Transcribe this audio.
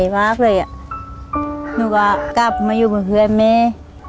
หนูก็กลับมาอยู่บนเพื่อนเมฆ